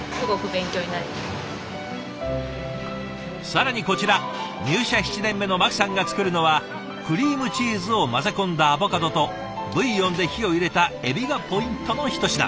更にこちら入社７年目の牧さんが作るのはクリームチーズを混ぜ込んだアボカドとブイヨンで火を入れたエビがポイントのひと品。